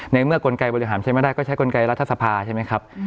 ในเมื่อกลไกบริหารใช้ไม่ได้ก็ใช้กลไกรัฐสภาใช่ไหมครับ